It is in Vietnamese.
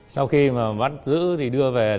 sau khi mà bắt giữ thì đưa về